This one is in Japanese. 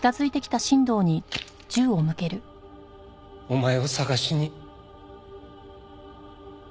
お前を捜しに。